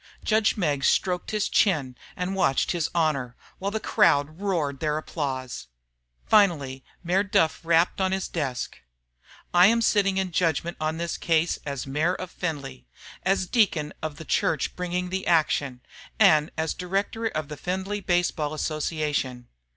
Judge Meggs stroked his chin and watched His Honor, while the crowd roared their applause. Finally Mayor Duff rapped on his desk. "I am sitting in judgment on this case as Mayor of Findlay, as a deacon of the church bringing the action, and as a director of the Findlay Baseball Association.